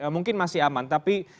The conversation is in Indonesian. mungkin masih aman tapi